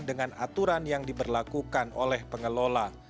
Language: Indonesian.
dengan aturan yang diberlakukan oleh pengelola